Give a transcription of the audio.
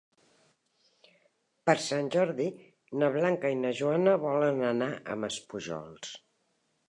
Per Sant Jordi na Blanca i na Joana volen anar a Maspujols.